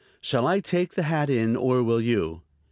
"Shall I take the hat in, or will you?"